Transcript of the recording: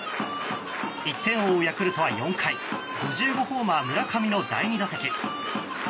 １点を追うヤクルトは４回５５ホーマー、村上の第２打席。